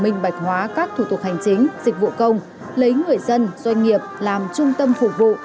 minh bạch hóa các thủ tục hành chính dịch vụ công lấy người dân doanh nghiệp làm trung tâm phục vụ